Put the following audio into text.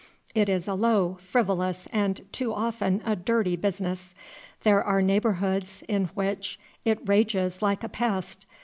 It is a low, frivolous, and too often a dirty business. There are neighborhoods in which it rages like a pest.